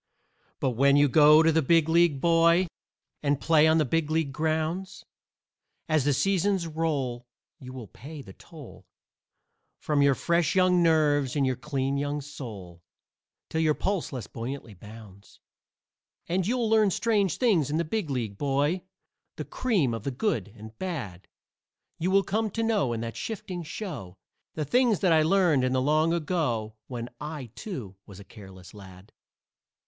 But when you go to the Big League, boy, And play on the Big League grounds, As the seasons roll you will pay the toll From your fresh young nerves and your clean young soul, Till your pulse less buoyantly bounds. And you'll learn strange things in the Big League, boy, The cream of the good and bad; You will come to know, in that shifting show, The things that I learned in the long ago When I, too, was a careless lad.